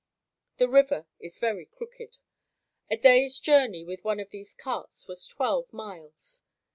The river is very crooked. A days journey with one of these carts was twelve miles.